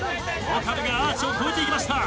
岡部がアーチを越えていきました。